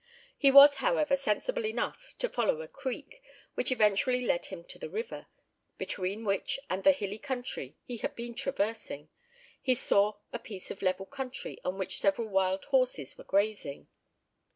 He was, however, sensible enough to follow a creek, which eventually led him to the river; between which and the hilly country he had been traversing, he saw a piece of level country on which several wild horses were grazing.